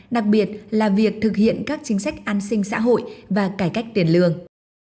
đặc biệt là việc thực hiện các chính sách an sinh xã hội và cải cách tiền lương